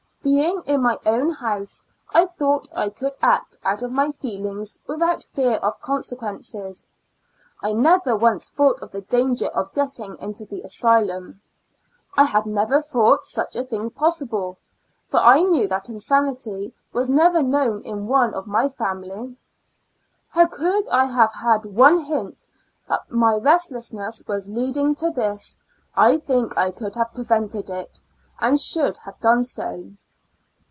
Being in my own house, I thought I could act out my feelings without fear of consequences. I never once thought of the danger of getting into the asylum. I had never thought such a thing possible, for I knew that insanity was never known in one of my family. Could I have had one hint that my restlessness was leading to this, I think I could have prevented it, and should have done so.